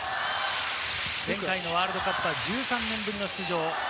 前回のワールドカップでは１３年ぶりの出場。